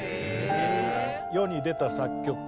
世に出た作曲家